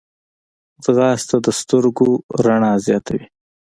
ځغاسته د سترګو رڼا زیاتوي